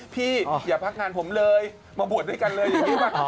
พี่อย่าพักงานผมเลยมาบวชด้วยกันเลยพี่ป่ะ